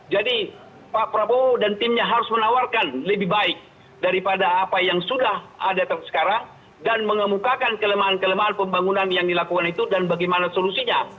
jadi pak prabowo dan timnya harus menawarkan lebih baik daripada apa yang sudah ada sekarang dan mengemukakan kelemahan kelemahan pembangunan yang dilakukan itu dan bagaimana solusinya